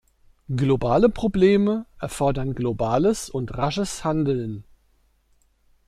Globale Probleme erfordern globales und rasches Handeln.